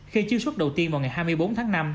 khi chiếu xuất đầu tiên vào ngày hai mươi bốn tháng năm